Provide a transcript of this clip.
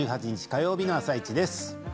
火曜日の「あさイチ」です。